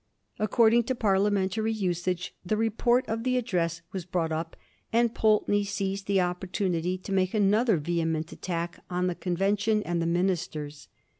According to parliamentary usage, the report of the address was brought up, and Pulteney seized the opportunity to make another vehement attack on the convention and the ministers.